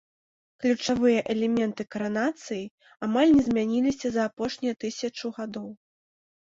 Ключавыя элементы каранацыі амаль не змяніліся за апошнія тысячу гадоў.